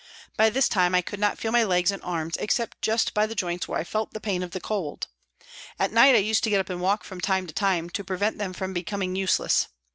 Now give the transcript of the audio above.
By this time I could not feel my legs and arms, except just by the joints where I felt the pain of the cold. At night I used to get up and walk from time to time to prevent them from becoming useless.